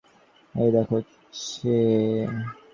এই দেখো চেয়ে।